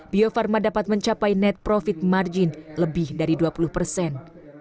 bio farma dapat mencapai net profit margin lebih dari dua puluh persen